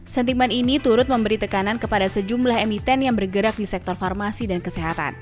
sentimen ini turut memberi tekanan kepada sejumlah emiten yang bergerak di sektor farmasi dan kesehatan